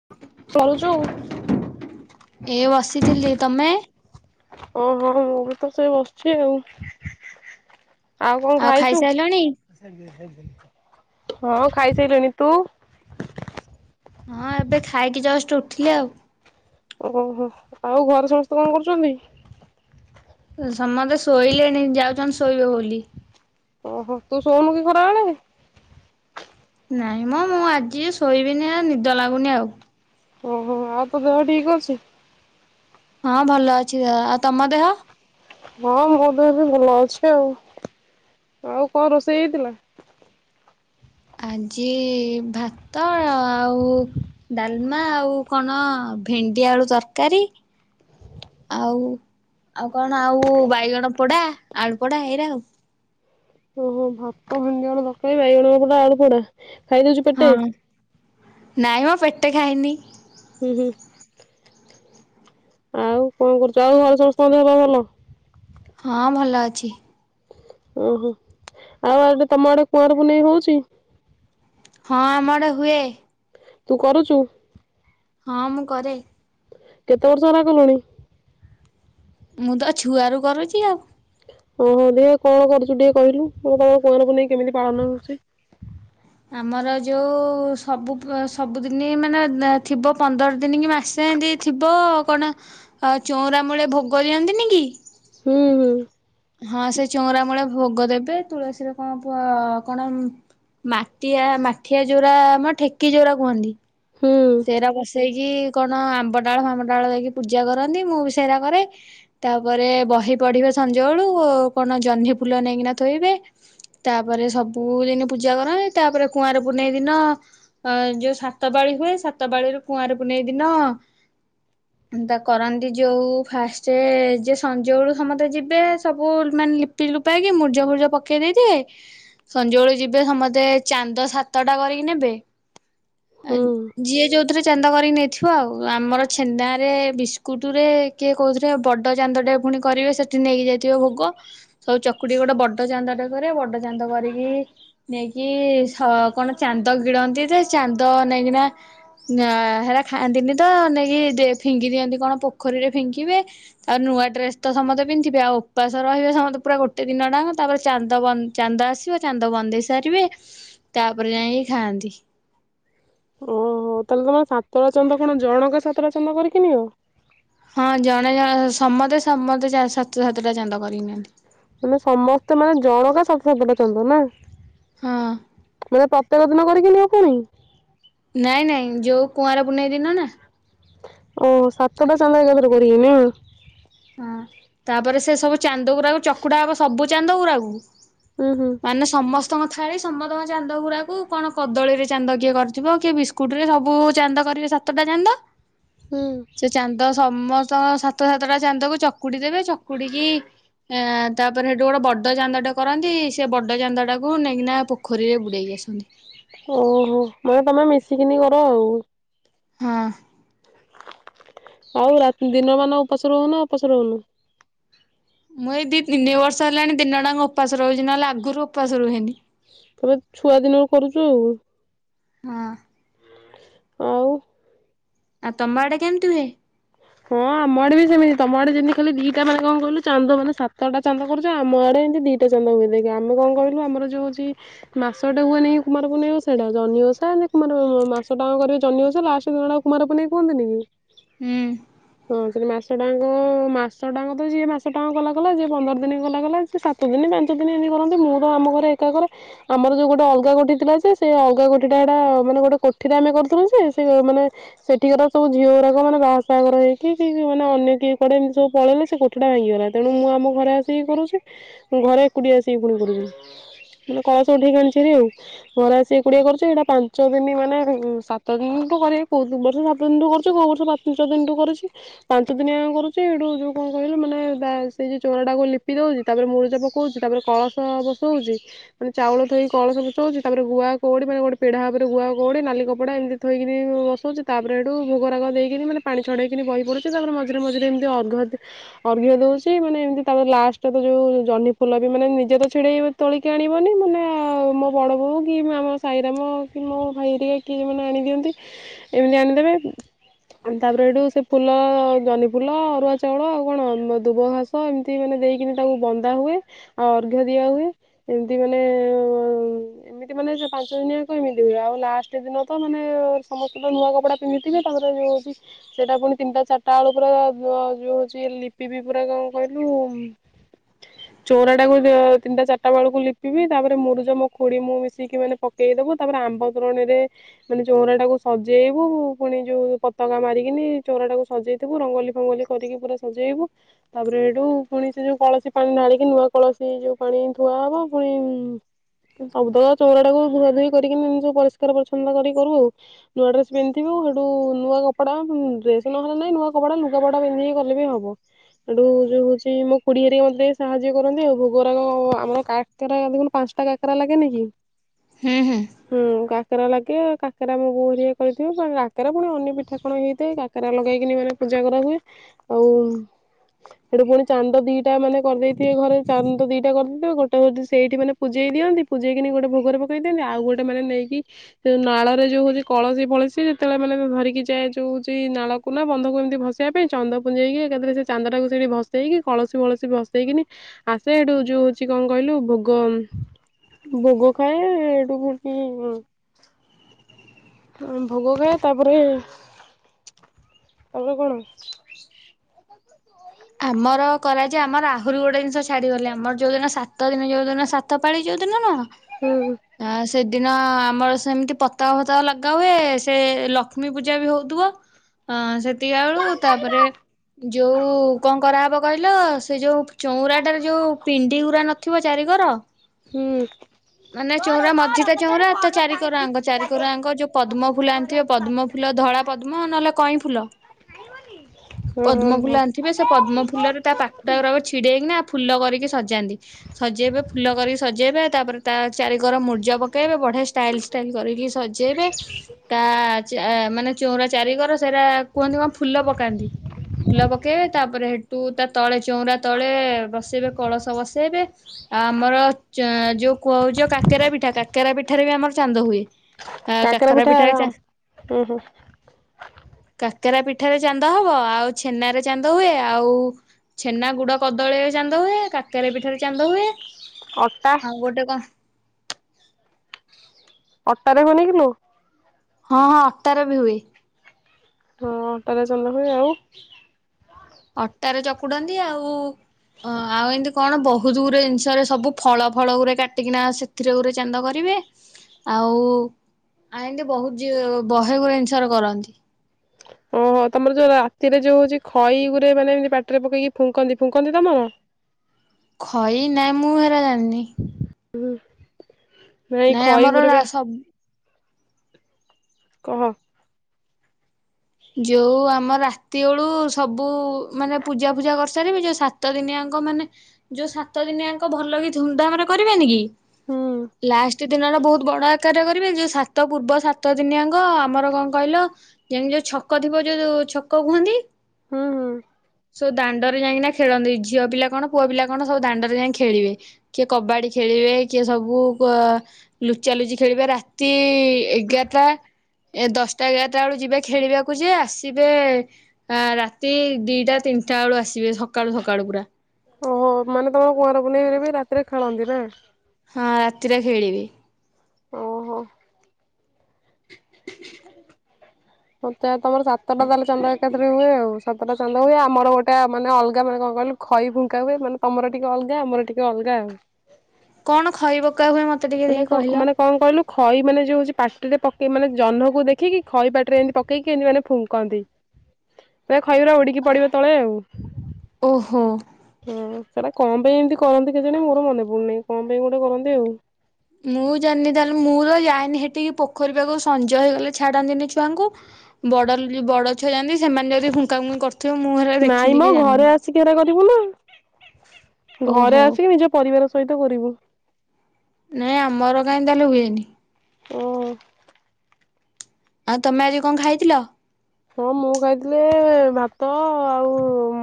[unintelligible] ଏ ବସିଥିଲି ତମେ? ଓ ହଁ ମୁଁ ବି ତ ସେଇ ବସିଛି ଆଉ। ଆଉ କଣ ଖାଇଛୁ? ହଁ ଖାଇ ଶାଇଲିନି ତୁ ହଁ ଏବେ ଖାଇକି ଜଷ୍ଟ ଉଠିଲି ଆଉ। ଓହୋ ଆଉ ଘରେ ସମସ୍ତେ କଣ କରୁଛନ୍ତି? ସମସ୍ତେ ଶୋଇଲେଣି ଯାଉଛନ୍ତି ଶୋଇବେ ବୋଲି। ଓହୋ ତୁ ଶୋଉନୁ କି ଖରା ବେଳେ? ନାଇଁ ମ ମୁଁ ଆଜି ଶୋଇବିନି ଆ ନିଦ ଲାଗୁନି ଆଉ। ଓହୋ ଆଉ ତୋ ଦେହ ଠିକ ଅଛି? ହଁ ଭଲ ଅଛି ଦେହ ଆଉ ତମ ଦେହ? ହଁ ମୋ ଦେହ ବି ଭଲ ଅଛି ଆଉ ଆଉ କଣ ରୋଷେଇ ହେଇଥିଲା? ଆଜି ଭାତ ଆଉ ଡାଲମା ଆଉ କଣ ଭେଣ୍ଡି ଆଳୁ ତରକାରୀ। ଆଉ ଆଉ କଣ ଆଉ ବାଇଗଣ ପୋଡା ଆଳୁ ପୋଡା ଏଇରା ଆଉ। ହୋ ଭାତ ଭେଣ୍ଡି ଆଳୁ ତରକାରୀ, ଭଗବାନ [unintelligible] ଆଳୁ ପୋଡା। ଖାଇଦଉଛୁ ହଁ ପେଟେ ନାଇଁ ମ ପେଟେ ଖାଇନି। ହୁଁ ହୁଁ ଆଉ କଣ କରୁଛ ଆଉ ଘରେ ସମସ୍ତେ ଦେହ ପା ଭଲ? ହଁ ଭଲ ଅଛି। ଓହୋ ଆଉ ଆଡେ ତମ ଆଡେ କୁଆଁର ପୁନେଇଁ ହଉଛି? ହଁ ଆମଡେ ହୁଏ। ତୁ କରୁଛୁ? ହଁ ମୁଁ କରେ। କେତେ ବର୍ଷ ହେଲା କଲଣି? ମୁଁ ତ ଛୁଆ ର କରୁଛି ଆଉ। ଓହୋ ଦେ କଣ କରୁଛୁ ଟିକେ କହିଲୁ ମୁ ତମ କୁଆଁରପୁନେଇଁ କେମିତି ପାଳନ ହଉଛି? ଆମର ଯେଉଁ ସବୁ ସବୁଦିନ ମାନେ ଥିବ ପନ୍ଦର ଦିନ କି ମାସେ ଏମିତି ଥିବ କଣ ଚଉଁରା ମୂଳେ ଭୋଗ ଦିଅନ୍ତିନି କି? ହୁଁ ହୁଁ। ହଁ ସେ ଚଉୁର ମୂଳେ ଭୋଗ ଦେବେ ତୁଳସୀରେ କଣ କଣ ମାଠଆ ମାଠିଆ ଜୋରା ଆମର ଠେକି ଯୋରା କୁହନ୍ତି ହୁଁ ସେରା ବସେଇକି କଣ ଆମ୍ବ ଡାଳ ଫାମ ଡାଳ ଦେଇକି ପୂଜା କରନ୍ତି ମୁଁ ବି ସେରା କରେ ତାପରେ ବହି ପଢ଼ିବେ ସଞ୍ଜବେଳୁ କଣ ଜହ୍ନି ଫୁଲ ନେଇକିନା ଥୋଇବେ ତାପରେ ସବୁଦିନ ପୂଜା କର ତାପରେ କୁଆର ପୁନେଇ ଦିନ ଅ ଯୋଉ ସାତବାଳି ହୁଏ ସାତ ବାଳିରୁ କୁଆଁରକୁ ନେଇଦିନ ଏନ୍ତା କରନ୍ତି ଯୋଉ ଫାଷ୍ଟ ଯେ ସଞ୍ଜବେଳୁ ସମସ୍ତେ ଯିବେ ସବୁ ମାନେ ପୁ ଲିପି ଲିପକି ମୂର୍ଜ ଫୁଜ ପକେଇ ଦେଇଥିବେ ସଞ୍ଜବେଳେ ଯିବେ ସମସ୍ତେ ଚାନ୍ଦ ସ ସତଟା କରିକି ନେବେ ହୁଁ। ଯିଏ ଯେଉଁଥିରେ ଚାନ୍ଦା କରିକି ନେଇଥିବ ଆଉ ଆମର ଛେନ୍ଦାରେ ବିସ୍କୁଟରେ କିଏ କହୁଥିଲେ ବଡ ଚାନ୍ଦ ଟେ ପୁଣି କରିବେ ସେଠି ନେଇକି ଯାଇଥିବ ଭୋଗ ସବୁ ଚକୁଟି ଗୋଟେ ବଡ ଚାନ୍ଦ ଟେ କରେ ବଡ ଚାନ୍ଦ କରିକି ନେଇକି କଣ ଚାନ୍ଦ ଗିଲନ୍ତି ଯେ ଚାନ୍ଦ ନେଇକିନା ହେରା ଖାଆନ୍ତିନି ତ, ନେଇକି ଫିଙ୍ଗି ଦିଅନ୍ତି କଣ ପୋଖରୀରେ ଫିଙ୍କିବେ ଆଉ ନୂଆ ଡ୍ରେସ ତ ସମସ୍ତେ ପିନ୍ଧିବେ ଆଉ ଉପାସ ରହିବେ ସମସ୍ତେ ପୁରା ଗୋଟେ ଦିନ ଟା ତାପରେ ଚାନ୍ଦ ବନ୍ଦ ଚାନ୍ଦ ଆସିବ ଚାନ୍ଦ ବନ୍ଦେଇ ସାରିବେ ତାପରେ ଯାଇକି ଖାଆନ୍ତି। ଓହୋ ତାହେଲେ ତମର ସାତଳା ଚନ୍ଦ କଣ ଜଣଙ୍କ ସାତଳା ଚନ୍ଦ କରିକିନିଅ? ହଁ ଜଣେ ଜଣ ସମସ୍ତେ ସମସ୍ତେ ସାତ ସାତଟା ଚାନ୍ଦ କରି ନିଅନ୍ତି। ମାନେ ସମସ୍ତେ ମାନେ ଜଣକା ସ ସପଟ ଚନ୍ଦ ନା ହଁ ମାନେ ତେର ଦିନ କରିକି ନ ନିଅ ପୁଣି? ନାଇଁ ନାଇଁ ଯୋଉ କୁଆଁର ବୁନେଇ ଦିନ ନା। ଓହ ସାତଟା ଚାନ୍ଦ ଏକାଦରେ କରିକିନିଅ? ହଁ ତାପରେ ସେ ସବୁ ଚାନ୍ଦ ଗୁରା ଚକୁଡା ହବ ସବୁ ଚାନ୍ଦ ଗୁରକୁ ହଁ ହଁ। ମାନେ ସମସ୍ତଙ୍କ ଛଥାଳି ସମସ୍ତଙ୍କ ଚାନ୍ଦ ଗୁଡାକୁ କଣ କଦଳୀରେ ଚାନ୍ଦ କିଏ କରିଥିବ କିଏ ସ୍କୁଟିରେ ସବୁ ଚାନ୍ଦ କରିବେ ସାତଟା ଚାନ୍ଦ ହୁଁ। ସେ ଚାନ୍ଦ ସମସ୍ତଙ୍କ ସାତ ସାତଟା ଚାନ୍ଦକୁ ଚକୁଡି ଦେବେ ଚକୁଡିକି ଏ ତାପରେ ସେଠୁ ଗୋଟେ ବଡ଼ ଚାନ୍ଦଟା କରନ୍ତି ସେ ବଡ଼ ଚାନ୍ଦ ଟାକୁ ନେଇକିନା ପୋଖରୀରେ ବୁଡ଼େଇକି ଆସନ୍ତି। ଓହୋ ମାନେ ତମେ ମିଶିକିନି କର ଆଉ? ହଁ। ଆଉ ରାତ ଦିନ ମାନ ଉପାସ ରହୁ ନା ଉପାସ ରହୁନୁ। ମୁଁ ଏଇ ଦି ତିନି ବର୍ଷ ହେଲାଣି ଦିନଟାଙ୍କ ଉପାସ ରହୁଛି ନହେଲେ ଆଗରୁ ଉପାସ ରୁହେନି। ତମେ ଛୁଆ ଦିନରୁ କରୁଛୁ ଆଉ। ହଁ। ଆଉ। ଆ ତମ ଆଡେ କେମିତି ହୁଏ? ହଁ ଆମ ଆଡେ ବି ସେମିତି ତମ ଆଡେ ଜେନ୍ତି ଖାଲି ଦିଟା ମାନେ କଣ କହିଲୁ ଚାନ୍ଦ ମାନେ ସାତଟା ଚାନ୍ଦ କରୁଛ ଆମ ଆଡେ ହେନ୍ତି ଦିଟା ଚାନ୍ଦା ହୁଏ ଦେଖେ ଆମେ କଣ କହିଲୁ ଆମର ଯଉ ହଉଛି ମାସଟେ ହୁଏନିକି କୁମାର ପୁର୍ଣିମା ଓଷାଟା, ଜହ୍ନି ଓଷା ନହଲେ କୁମାର ମାସଟା ଜାକ କରିବେ ଜହ୍ନି ଓଷା ଲାଷ୍ଟ ଦିନଟାକୁ କୁମାରପୂନେଇ କୁହନ୍ତିନି କି? ହୁଁ। ହଁ ସେଟା ମାସଟାଆଙ୍କ ମାସଟାଆଙ୍କ ତ ଯିଏ ମାସ ଟାଙ୍କ କଲା କଲା ଯିଏ ପନ୍ଦର ଦିନ କଲାକଲା ଜିଏ ସାତ ସାତ ଦିନ ପାଞ୍ଚ ଦିନ ଏମତି କରନ୍ତି ମୁଁ ତ ଆମ ଘରେ ଏକାକରେ। ଆମର ଯୋଉ ଗୋଟେ ଅଲଗା କୋଠି ଥିଲା ଯେ ସେ ଅଲଗା କୋଟଠି ହେଟା ମାନେ ଗୋଟେ କୋଠିଟେ ଆମେ କରୁଥିଲୁ ଯେ ସେ ମାନେ ସେଠିକାର ସବୁ ଝିଅଗୁରାକ ମାନେ ବାହାସାହା ଘର ହେଇ କିଏ କି ଯଉମାନେ ଅନ୍ୟ କିଏ କରେ ଏମିତି ସବୁ ପଳେଇଲେ ସେ କୋଠିଟା ଭାଙ୍ଗିଗଲା ତେଣୁ ମୁଁ ଆମ ଘରେ ଆସିକି କରୁଛି। ଘରେ ଏକୁଟିଆ ଆସିକି ପୁଣି କରିବି ମାନେ କଳସ ଉଠେଇକି ଆଣିଛିି ଭାରି ଆଉ। ଘରେ ଆସି ଏକୁଟିଆ କରୁଚି ଏଇଟା ପାଞ୍ଚ ଦିନ ମାନେ ସାତ ଦିନିଠୁ କରିବାକୁ କହୁଚ ଏ ବର୍ଷ ସାତ ଦିନଠୁ କରୁଚି କୋଉ ବର୍ଷ ପା ପାଞ୍ଚ ଦିନଠୁ କରୁଚି। ପାଞ୍ଚ ଦିନିଆକ କରୁଛି ହେଠୁ ଯୋଉ କଣ କହିଲ ମାନେ ବା ସେଇ ଯଉ ଚଉରା ଟାକୁ ଲିପି ଦଉଛି ତାପରେ ମୁରୁଜ ପକଉଛି ତାପରେ କଳସ ବସଉଛି ମାନେ ଚାଉଳ ଥୋଇକି କଳସ ବସଉଛି ତାପରେ ଗୁଆ କଉଡି ମାନେ ଗୋଟେ ପିଢା ଉପରେ ଗୁଆ କଉଡି ମାନେ ନାଲି କପଡା ଏମିତି ଥୋଇକିରି ବସଉଛି ତାପରେ ହେଠୁ ଭୋଗରାଗ ଦେଇକିରି ମାନେ ପାଣି ଛଡ଼େଇକି କିରି ବହି ପଡୁଛି ତାପରେ ମଝିରେ ମଝିରେ ଏମିତି ଅର୍ଘ ଦି ଅର୍ଘ ଦଉଛି ମାନେ ଏମିତି ତାପରେ ଲାଷ୍ଟରେ ଯୋଉ ଜହ୍ନି ଫୁଲ ବି ମାନେ ନିଜେ ତ ଛିଡ଼େଇ ତୋଳିକି ଆଣିବନି ମାନେ ମୋ ବଡ଼ ବୋଉ କି ଆମ ସାଇରେ ଆମ କି ମୋ ଭାଇହେରିକା କିଏ କିଏମାନେ ଆଣିଦିଅନ୍ତି ଏମିତି ଆଣିଦେବେ ତାପରେ ଏଠୁ ସେ ଫୁଲ ଜହ୍ନିଫୁଲ ଅରୁଆ ଚାଉଳ ଆଉ କଣ ଦୁବ ଘାସ ଏମିତି ମାନେ ଦେଇକିନି ତାକୁ ବନ୍ଦା ହୁଏ। ଆଉ ଅର୍ଘ ଦିଆ ହୁଏ ଏମତି ମାନେ ଏମିତି ମାନେ ସେ ପାଞ୍ଚ ଦିନିଆକ ଏମିତି ହୁଏ ଆଉ ଲାଷ୍ଟ ଦିନ ତ ମାନେ ସମସ୍ତେ ତ ନୂଆ କପଡା ପିନ୍ଧିଥିବେ ତାପର ଯଦି ସେଇଟା ପୁଣି ତିନିଟା ଚାରିଟା ବେଳେ ପୁରା ଯୋଉ ହଉଛି ଲିପିବିି ପୁରା କଣ କହିଲୁ ହ ଚଉରା ଟାକୁ ତିନିଟା ଚାରିଟା ବେଳକୁ ଲିପିବି ତାପରେ ମୁରୁଜ ମୋ ଖୁଡି ମୁଁ ମିଶିକି ମାନେ ପକ ପକେଇଦବୁ ତାପରେ ଆମ୍ବ ତୋରଣୀରେ ମାନେ ଚଉରା ଟାକୁ ସଜେଇବୁ ପୁଣି ଯୋଉ ପତାକା ମାରିକିନି ଚଉରା ଟାକୁ ସଜେଇଦବୁ ରଙ୍ଗୋଲି ଫଙ୍ଗୋଲି କରିକି ପୁରା ସଜେଇବୁ। ତାପରେ ହେଠୁ ପୁଣି ସେ ଯୋଉ କଳସୀ ପାଣି ଢାଳିକି ନୂଆ କଳସୀ ଯୋଉ ପାଣି ଥୁଆ ହବ ପୁଣି ସବୁତକ ଚଉରା ଟାକୁ ଧୁଆ ଧୁଇ କରିକି ମ ସବୁ ପରିଷ୍କାର ପରି୍ଛନ କରିକି କରିବୁ ଆଉ। ନୂଆ ଡ୍ରେସ ପିନ୍ଧିଥିବୁ ହେଠୁ ନୂଆ କପଡା ଡ୍ରେ ନହଲେ ନାଇଁ ନୂଆ କପଡା ଲୁଗା ପଟା ପନ୍ଧିକି କଲେ ବି ହବ। ହେଠୁ ଯୋଉ ହଉଛି ମୋ ଖୁଡୀ ହେରିକା ମୋତେ ଟିକେ ସାହାଯ୍ୟ କରନ୍ତି ଆଉ ଭୋଗରାକ ଆମର କା କକେରା ଦେଖୁନୁ ପାଞ୍ଚଟା କାକେରା ଲାଗେନି କି? ହୁଁ ହୁଁ। ହୁଁ କାକେରା ଲାଗେ କାକେରା ଭୋଗ ଘରିକା କରିଦିଏ। କାକେରା ପୁଣି ଅନ୍ୟ ପିଠା କଣ ହେଇଥାଏ କା କାରା ଲଗେଇକିନି ମାନେ ପୂଜା କରାହୁଏ ଆଉ ସେଠୁ ଫୁଣି ଚାନ୍ଦ ଦିଇଟା ମାନେ କରିଦେଇଥିବେ ଘରେ। ଚାନ୍ଦ ଦିଇଟା କରିଦେଇଥିବେ ଗୋଟେ ବୋଧେ ସେଇଠି ମାନେ ପୂଜେଇ ଦିଅନ୍ତି ପୂଜେଇକିନି ଗୋଟେ ଭୋଗର ପକେଇ ଦିଅନ୍ତି ଆଉ ଗୋଟେ ମାନେ ନେଇକି ନାଳରେ ଯୋଉ ହଉଚି କଳସୀ ଫଳସୀ ଯେତେବେଳେ ମାନେ ଧରିକି ଯାଏ ଯୋଉ ସେଇ ନାଳକୁ ନା ବନ୍ଧକୁ ଏମିତି ଭସେଇବା ପାଇଁ ଚାନ୍ଦ ପୁ୍ଜେଇକି ଏକାଥରେ ସେ ଚାନ୍ଦଟାକୁ ସେଠି ଭସେଇକି କଳସୀ ଫଳସୀ ଭ ସେଇକିନି ଆସେ ହେଠୁ ଯୋଉ ହଉଚି କଣ କହିଲୁ ଭୋଗ ଭୋଗ ଖାଏ ହେଠୁ ଫଣି ହୁଁ ଭୋଗ ହୁଏ ତାପରେ ତାପରେ କଣ ଆମର କରାଯାଏ ଆମର ଆହୁରି ଗୋଟେ ଜିନିଷ ଛାଡିଗଲେ ଆମର ଯୋଉ ଦିନ ସାତ ଦିନ ଯୋଉ ଦିନ ସାତ ପାଳି ଯୋଉ ଦିନ [unintelligible] ନା ହୁଁ ହୁଁ। ଆ ସେଦିନ ଆମର ସେମିତି ପତାକା ଫତାକା ଲଗା ହୁଏ ସେ ଲକ୍ଷ୍ମୀ ପୂଜା ବି ହଉଥିବ। ହଁ ସେତିକବାଳୁ ତାପରେ ଯୋଉ କଣ କରାହେବ କହିଲ ସେ ଯୋଉ ଚଁଉରାଟାରେ ଯୋଉ ପିଣ୍ଡିଉରା ନଥିବ ଚାରିକର ହୁଁ। ମାନେ ଚଉଁରା ମଝିଟା ଚଉଁରା ତା ଚାରିକର ଆଙ୍କ ଚାରିକର ଆଙ୍କ ଯୋଉ ପଦ୍ମ ଫୁଲ ଆଣିଥିବେ ପଦ୍ମ ଫୁଲ ଧଳା ପଦ୍ମ ନହେଲେ କଇଁ ଫୁଲ ପଦ୍ମ ଫୁଲ ଆଣିଥିବେ ସେ ପଦ୍ମ ଫୁଲରେ ତା ପାଖୁଡାରାକ ଛିଡେଇ କିନା ଫୁଲ କରିକି ସଜାନ୍ତି। ସଜେଇବେ ଫୁଲ କରିକି ସଜେଇବେ ତାପରେ ତା ଚାରି କର ମୁ ର୍ଜ ପକେଇବେ ବଢିଆ ଷ୍ଟାଇଲି ଷ୍ଟାଇଲି କରିକି ସଜେଇବେ ତା ଚା ମାନେ ଚଉଁରା ଚାରି କର ସେରା କୁହନ୍ତି କଣ ଫୁଲ ପକାନ୍ତି। ଫୁଲ ପକେଇବେ ତାପରେ ହେଠୁ ତା ତଳେ ଚଉଁରା ତଳେ ବସେଇବେ କଳସ ବସେଇବେ। ଆମର ଚ ଯୋଉ କୋଉ ଯୋଉ କାକେରା ପିଠା କାକେରା ପିଠାରେ ବି ଆମର ଚାନ୍ଦ ହୁଏ। ଆ କାକରା କାକେରା ପିଠା ପିଠାରେ ଚା ଉଁ ହୁଁ କାକେରା ପିଠାରେ ଚାନ୍ଦ ହବ ଆଉ ଛେନାରେ ଚାନ୍ଦ ହୁଏ ଆଉ ଛେନା ଗୁଡ କଦଳୀରେ ଚାନ୍ଦ ହୁଏ। କାକେରା ପିଠାରେ ଚାନ୍ଦ ହୁଏ ଅଟା ଆଉ ଗୋଟେ କଣଃ ଅଟାରେ ହୁଏନି କିଲୋ? ହଁ ହଁ ଅଟାରେ ବି ହୁଏ। ହଁ ଅଟାରେ ଚାନ୍ଦ ହୁଏ ଆଉ ଅଟାରେ ଚକୁଡନ୍ତି ଆଉ, ଅଂ ଆଉ ଏମିତି କଣ ବୋ ବୋହୁତୁ ଗୁରେ ଜିନିଷରେ ସବୁ ଫଳ ଫଳ ଗୁରେ କାଟିକିନା ସେଥିରେ ଗୋରେ ଚାନ୍ଦ କରିବେ। ଆଉ ଆ ଏମିତି ବୋହୁତ ଜିଓ [unintelligible] ବହେ ଗୁରେ ଜିନିଷରେ କରନ୍ତି। ଓହୋ ତମର ଯୋଉ ରାତିରେ ଯୋଉ ହଉଚି ଖଇ ଗୁରେ ମାନେ ଏମିତି ପାଟିରେ ପକେଇକି ଫୁଙ୍କନ୍ତି। ଫୁଙ୍କନ୍ତି ତମର? ଖଇ ନା ମୁଁ ହେରା ଜାଣିନି। ହୁଁ ନାଇଁ ଆମର ଖଇଗୁରେ ରା ପା ସବୁ କହ। ଯୋଉ ଆମ ରାତି ବେଳୁ ସବୁ ମାନେ ପୂଜା ଫୂଜା କରିସାରିବି ଯୋଉ ସାତ ଦିନିଆଙ୍କ ମାନେ ଯୋଉ ସାତ ଦିନିଆଙ୍କ ଭଲ କି ଧୁମଧାମରେ କରିବେନି କି ହୁଁ ଲା ଷ୍ଟେ ଦିନ‌ଓରା ବୋହୁତ ବଡ ଆକାରରେ କରିବେ ଯେ ସାତ ପୂର୍ବ ସାତ ଦିନିଆଙ୍କ ଆମର କଣ କହିଲ ଯେମିତି ଯୋଉ ଛକ ଥିବ ଯୋଉ ଛକ କୁହନ୍ତି। ହୁଁ ହୁଁ। ସବୁ ଦାଣ୍ଡରେ ଯାଇକିନା ଖେଳନ୍ତି। ଝିଅ ପିଲା କଣ ପୁଅ ପିଲା କଣ ସବୁ ଦାଣ୍ଡରେ ଯାଇଁକି ଖେଳିବେ। କିଏ କବାଡି ଖେଳିବେ କିଏ ସବୁ କ ଲୁଚା ଲୁଚି ଖେଳିବେ ରାତି ଏଗାରଟା ଏ ଦଶଟା ଏଗାରଟା ବେଳୁ ଯିବେ ଖେଳିବା କୁ ଯିବେ ଆସିବେ ଆ ରାତି ଦିଇଟା ତିନିଟା ବେଳୁ ଆସିବେ ସକାଳୁ ସକାଳୁ ପୁରା। ଓହୋ ମାନେ ତମର କୁଆଁର ପୁନେଇଁ ରେ ବି ରାତିରେ ଖେଳନ୍ତି ନା। ହଁ ରାତିରେ ଖେଳିବେ। ଓହୋ। [unintelligible] ମୋତେ ତମର ସାତଟା ତାହେଲେ ଚାନ୍ଦା ଏକାଥରେ ହୁଏ ଆଉ ସାତଟା ଚାନ୍ଦା ହୁଏ ଆମର ଗୋଟେ ମାନେ ଅଲଗା ମାନେ କଣ କହିଲୁ ଖଇ ଫୁଙ୍କା ହୁଏ ମାନେ ତମର ଟିକେ ଅଲଗା ଆମର ଟିକେ ଅଲଗା। କଣ ଖଇ ପକା ହୁଏ ମତେ ଟିକେ ମାନେ ଦେଖି କହିଲ କଣ ମାନେ କଣ କହିଲୁ ଖଇ ମାନେ ଯେଉ ହେଉଛି ପାଟିରେ ପକେଇକି ମାନେ ଜହ୍ନକୁ ଦେଖିକି ଖଇ ପାଟିରେ ଏମିତି ପକେଇକି ମାନେ ଫୁଙ୍କନ୍ତି। ହ [unintelligible] ତ ଖଇଗୁରା ଉଡିକି ପଡିବ ତଳେ ଆଉ। ଓହୋ। ହଁ ସେଟା କଣ ପାଇଁ ଏମିତି କରନ୍ତି କେଜାଣି ମୋର ମନେ ପଡୁନାଇଁ କଣ ପାଇଁ ଗୋଟେ କରନ୍ତି ଆଉ। ମୁଁ ଜାଣିନି ତାହେଲେ ମୋର ଜାଇନି ହେଠିକି ପୋଖରୀପାଖକୁ ସଞ୍ଜ ହେଇଗଲେ ଛାଡ଼ାନ୍ତିନି ଛୁଆଙ୍କୁ ବଡ଼ ଲି ବଡ଼ ପଛରେ [unintelligible] ସେମାନେ ଯଦି ଫୁାଙ୍କା ଫୁଙ୍କି କରୁଥିବେ ମୁଁ ହେରା ନାଇଁ ଦେଖିନି ମ କି ଜାଣିନି। ଘରେ ଆସିକି ହେରା କରିବୁ ନା। ଘରେ ଓହୋ ଆସିକି ନିଜ ପରିବାର ସହିତ କରିବୁ। ନାଇଁ ଆମର କାଇଁ ତାହେଲେ ହୁଏନି। ଓ। ଆ ତମେ ଆଜି କଣ ଖାଇଥିଲ? ହଁ ମୁଁ ଖାଇଥିଲି ଭାତ ଆଉ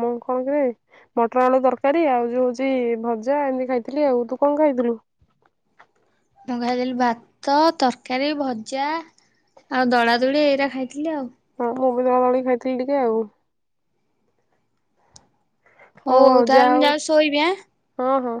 ମୁଁ କଣ କିରେ ମଟର ଆଳୁ ତରକାରୀ ଆଉ ଯୋଉ ହଉଛି ଭଜା ଏମିତି ଖାଇଥିଲି ଆଉ ତୁ କଣ ଖାଇଥିଲୁ? ମୁଁ ଖାଇଥିଲି ଭାତ, ତରକାରୀ, ଭଜା ଆଉ ଦଳାଦଳି ଏଇରା ଖାଇଥିଲି ଆଉ। ହଁ ମୁଁ ବି ଦଳାଦଳି ଖାଇଥିଲି ଟିକେ ଆଉ। ହଉ ଆଉ ଯା ତାହେଲେ ଅଉ ମୁଁ ଯାଉଛି ଶୋଇବି ଆଁ। ହଁ ହଁ।